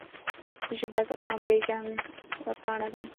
ژبه د قوم پېژند پاڼه ده